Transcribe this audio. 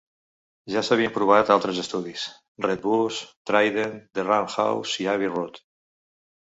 Ja s'havien provat altres estudis: Red Bus, Trident, The Roundhouse i Abbey Road.